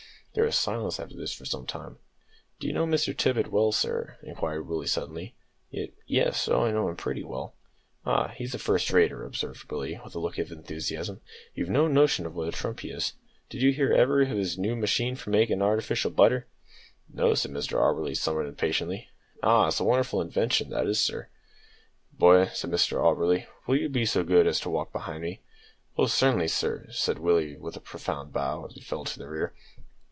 There was silence after this for some time. "D'you know Mr Tippet well, sir?" inquired Willie suddenly. "Ye yes; oh yes, I know him pretty well." "Ah, he's a first rater," observed Willie, with a look of enthusiasm; "you've no notion what a trump he is. Did you hear ever of his noo machine for makin' artificial butter?" "No," said Mr Auberly, somewhat impatiently. "Ah, it's a wonderful invention, that is, sir." "Boy," said Mr Auberly, "will you be so good as to walk behind me?" "Oh, cer'nly, sir," said Willie, with a profound bow, as he fell to the rear.